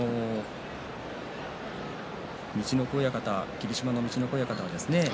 霧島の陸奥親方はですね